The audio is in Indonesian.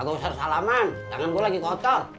kalo ser salaman tangan gue lagi kotor